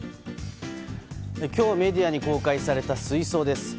今日メディアに公開された水槽です。